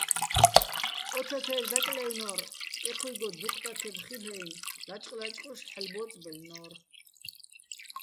ო თათაჲრი̆ დაკლაჲვნო́რ, ეჴუჲგო დუჴ ტათებ ხილ'ო-აჲნო̆, ლაჭყ-ლაჭყუშ ჰ̦ალო̆ ბო́წბაჲლნო́რ.